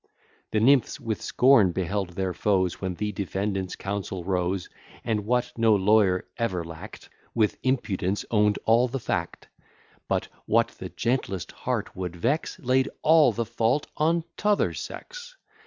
The nymphs with scorn beheld their foes; When the defendant's counsel rose, And, what no lawyer ever lack'd, With impudence own'd all the fact; But, what the gentlest heart would vex, Laid all the fault on t'other sex.